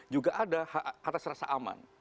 juga ada atas rasa aman